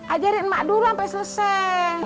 ajarin mak dulu sampai selesai